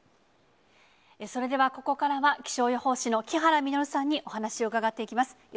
それではここからは、気象予報士の木原実さんにお話を伺っていきます。